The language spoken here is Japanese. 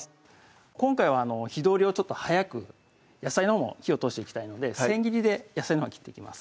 今回は火通りをちょっと早く野菜のほうも火を通していきたいのでせん切りで野菜のほうは切っていきます